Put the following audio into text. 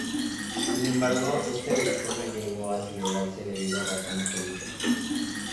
Sin embargo, esta edición no llegó a celebrarse debido a razones políticas.